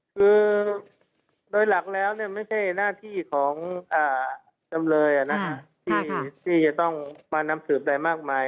คือโดยหลักแล้วไม่ใช่หน้าที่ของจำเลยที่จะต้องมานำสืบใดมากมาย